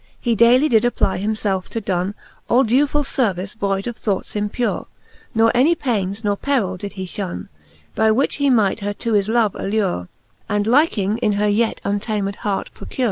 He daily did apply him felfe to donne All dewfuU fervice, voide of thoughts impure ; Ne any paines ne peril! did he flionne, By which he might her to his love allure, And liking in her yet untamed heart procure. Vol. III.